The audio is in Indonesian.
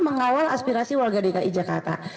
mengawal aspirasi warga dki jakarta